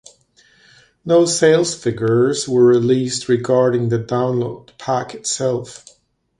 No sales figures were released regarding the download pack itself.